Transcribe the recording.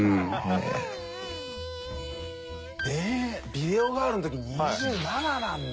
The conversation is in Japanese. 『ビデオガール』の時２７なんだ。